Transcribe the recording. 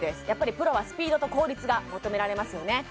やっぱりプロはスピードと効率が求められますよね